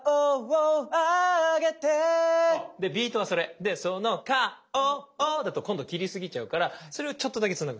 で「その顔を」だと今度切りすぎちゃうからそれをちょっとだけつなぐ。